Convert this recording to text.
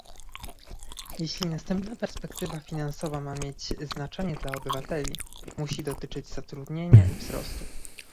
Jeśli następna perspektywa finansowa ma mieć znaczenie dla obywateli, musi dotyczyć zatrudnienia i wzrostu